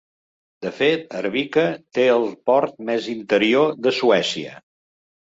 De fet, Arvika té el port més interior de Suècia.